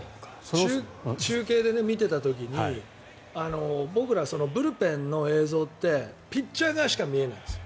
中継で見てた時に僕ら、ブルペンの映像ってピッチャー側しか見えないんです。